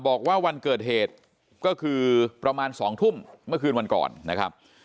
บอกว่าวันเกิดเหตุก็คือประมาณ๒ทุ่มเมื่อคืนวันก่อนนะครับ